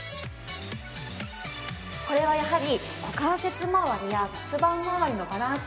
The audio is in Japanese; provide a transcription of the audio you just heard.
これはやはり。